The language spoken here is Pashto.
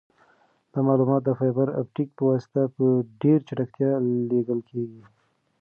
دا معلومات د فایبر اپټیک په واسطه په ډېر چټکتیا لیږل کیږي.